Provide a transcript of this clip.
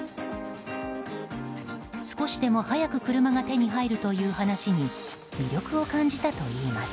少しでも早く車が手に入るという話に魅力を感じたといいます。